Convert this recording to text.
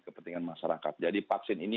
kepentingan masyarakat jadi vaksin ini